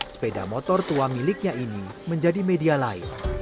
sepeda motor tua miliknya ini menjadi media lain